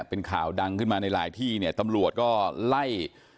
เป็นข่าวดังขึ้นมาในหลายที่เนี่ยตำรวจก็ไล่